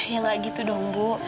ya gak gitu dong bu